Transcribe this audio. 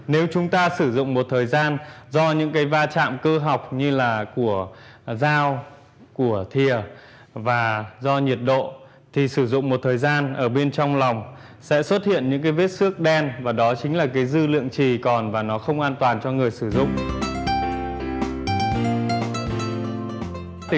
nếu chúng ta sử dụng một thời gian do những cái va chạm cơ học như là của dao của thịa và do nhiệt độ thì sử dụng một thời gian ở bên trong lòng sẽ xuất hiện những cái vết xước đen và đó chính là cái dư lượng trì còn và nó không an toàn cho người sử dụng